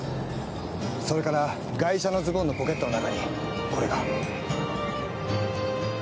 それからガイシャのズボンのポケットの中にこれが。